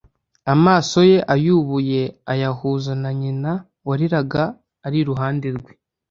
Amaso ye ayubuye ayahuza na nyina wariraga ari iruhande rwe,